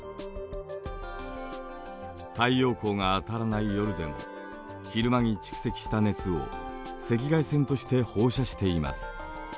太陽光が当たらない夜でも昼間に蓄積した熱を赤外線として放射しています。